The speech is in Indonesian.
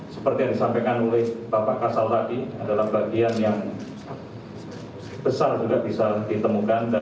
seperti yang disampaikan oleh bapak kasal tadi adalah bagian yang besar juga bisa ditemukan